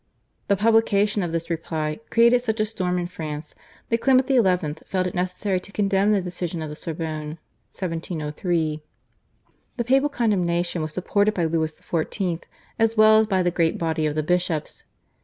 The publication of this reply created such a storm in France that Clement XI. felt it necessary to condemn the decision of the Sorbonne (1703). The papal condemnation was supported by Louis XIV., as well as by the great body of the bishops.